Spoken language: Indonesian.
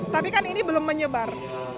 tapi kan ini belum menyebar